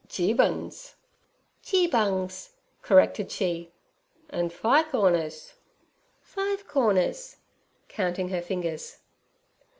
'Geebun's.' 'Geebungs' corrected she. 'An' fi' corners.' 'Five corners' counting her fingers.